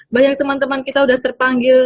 banyak teman teman kita sudah terpanggil